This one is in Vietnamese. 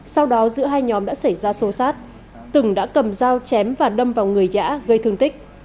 sau đó giữa hai nhóm đã xảy ra xô xát từng đã cầm dao chém và đâm vào người gã gây thương tích